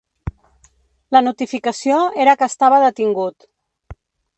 La notificació era que estava detingut.